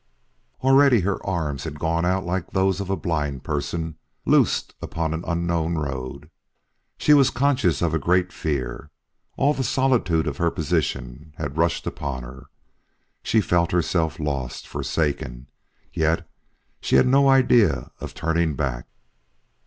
Already her arms had gone out like those of a blind person loosed upon an unknown road. She was conscious of a great fear. All the solitude of her position had rushed upon her. She felt herself lost, forsaken; yet she had no idea of turning back.